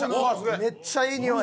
めっちゃいい匂い。